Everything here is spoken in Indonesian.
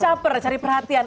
caper cari perhatian